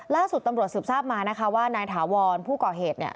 ล่าสุดตำรวจสืบทราบมานะคะว่านายถาวรผู้ก่อเหตุเนี่ย